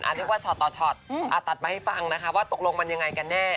เรียกว่าช็อตต่อช็อตตัดมาให้ฟังนะคะว่าตกลงมันยังไงกันแน่